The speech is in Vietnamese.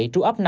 trú ấp năm